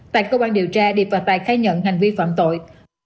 tại công an điều tra điệp và tài khai nhận hành vi phạm tội